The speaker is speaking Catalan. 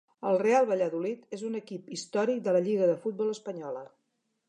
El Real Valladolid és un equip històric de la Lliga de Futbol Espanyola.